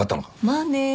まあね。